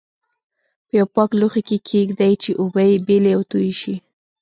په یوه پاک لوښي کې یې کېږدئ چې اوبه یې بېلې او توی شي.